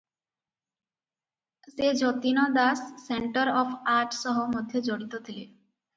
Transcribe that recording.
ସେ Jatin Das centre of art ସହ ମଧ୍ୟ ଜଡ଼ିତ ଥିଲେ ।